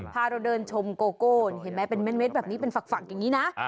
พาเราเดินชมโกโก้เห็นไหมเป็นเม็ดแบบนี้เป็นฝักอย่างนี้นะ